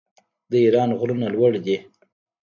د ایران غرونه لوړ دي.